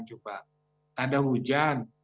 tidak ada hujan